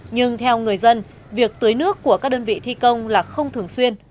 nhưng theo người dân việc tưới nước của các đơn vị thi công là không thường xuyên